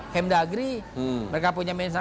kemdagri mereka punya misalnya